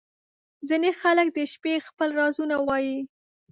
• ځینې خلک د شپې خپل رازونه وایې.